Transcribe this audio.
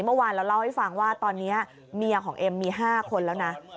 เมื่อวานเราเล่าให้ฟังว่าตอนนี้เมียของเอ็มมี๕คนแล้วนะ